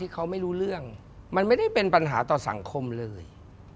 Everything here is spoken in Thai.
ใครเลย